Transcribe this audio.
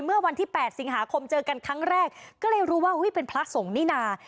เมื่อวันที่๘สิงหาคมเจอกันครั้งแรกก็เลยรู้ว่าเป็นพระสงฆ์นี่นา